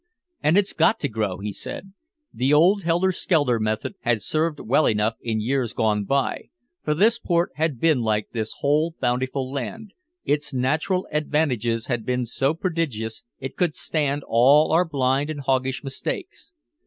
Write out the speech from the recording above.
"And it's got to grow," he said. The old helter skelter method had served well enough in years gone by, for this port had been like this whole bountiful land, its natural advantages had been so prodigious it could stand all our blind and hoggish mistakes.